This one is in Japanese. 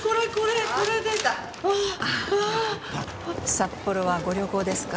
札幌はご旅行ですか？